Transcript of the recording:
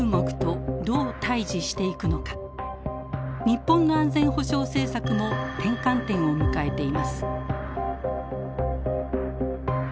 日本の安全保障政策も転換点を迎えています。